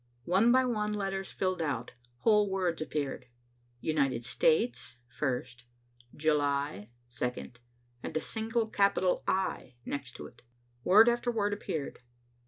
One by one letters filled out, whole words appeared, "United States" first, "July" second, and a single capital "I" next. Word after word appeared.